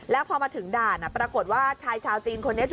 แล้วพอมาถึงด่านปรากฏว่าชายชาวจีนคนนี้